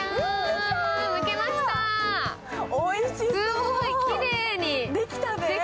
すごいきれいにできたね。